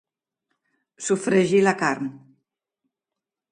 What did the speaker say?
Sofregir la carn.